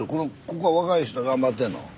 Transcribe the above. ここは若い人がんばってるの？